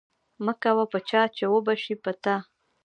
مکوه په چا چی اوبشی په تا